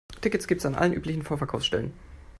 Tickets gibt es an allen üblichen Vorverkaufsstellen.